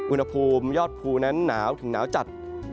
อุณหภูมิยอดภูนั้นหนาวถึงหนาวจัด